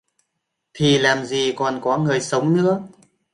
thì làm gì còn có người sống nữa